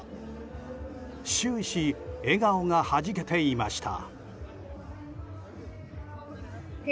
終始、笑顔がはじけていました。